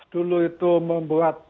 dulu itu membuat